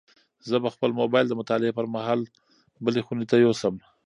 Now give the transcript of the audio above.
زه به خپل موبایل د مطالعې پر مهال بلې خونې ته یوسم.